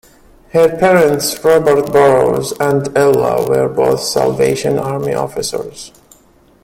Her parents, Robert Burrows and Ella, were both Salvation Army Officers.